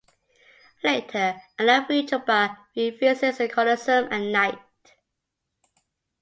Later, a now-free Juba revisits the Colosseum at night.